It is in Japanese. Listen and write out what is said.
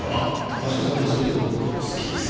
益子さんのそういうところ好きです。